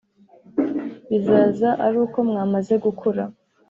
bizaza ari uko mwamaze gukura